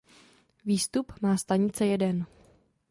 Výstup má stanice jeden.